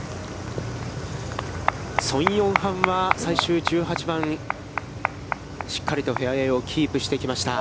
宋永漢は、最終１８番、しっかりとフェアウェイをキープしてきました。